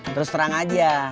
terus terang aja